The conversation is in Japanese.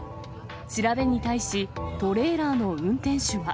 調べに対し、トレーラーの運転手は。